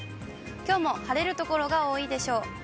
きょうも晴れる所が多いでしょう。